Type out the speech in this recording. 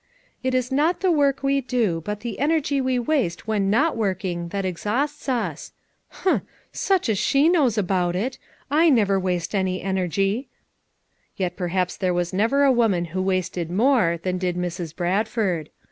u 'It is not the work we do, but the energy we waste when not work ing that exhausts us.' Humph, much she knows about it! / never waste any energy." Yet perhaps there was never a woman who wasted more than did Mrs. Bradford.